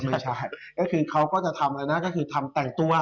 ไม่ใช่ก็คือเขาก็จะทำอะไรนะก็คือทำแต่งตัว